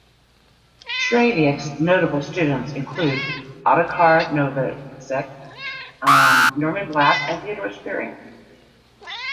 Schradieck's notable students include Ottokar Novacek, Norman Black and Theodore Spiering.